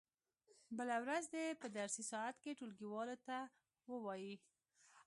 بله ورځ دې په درسي ساعت کې ټولګیوالو ته و وایي.